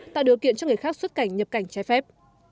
tạo điều kiện cho người khác xuất cảnh nhập cảnh trái phép